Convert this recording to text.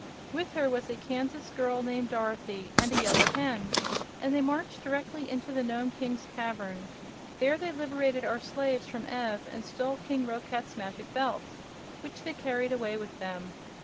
With her was a Kansas girl named Dorothy, and a Yellow Hen, and they marched directly into the Nome King's cavern. There they liberated our slaves from Ev and stole King Roquat's Magic Belt, which they carried away with them.